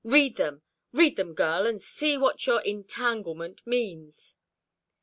Read them; read them, girl, and see what your 'entanglement' means."